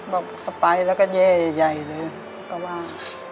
บอกเขาไปแล้วก็แย่ใหญ่เลยก็ว่า